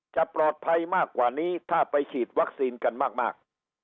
จะปลอดภัยมากกว่านี้ถ้าไปฉีดวัคซีนกันมาก